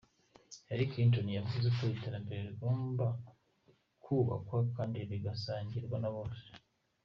Hillary Clinton yavuze ko iterambere rigomba kwubakwa kandi rigasangirwa na bose.